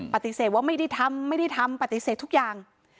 ปฏิเสธว่าไม่ได้ทำไม่ได้ทำปฏิเสธทุกอย่าง